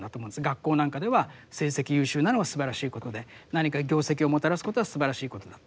学校なんかでは成績優秀なのがすばらしいことで何か業績をもたらすことはすばらしいことだ。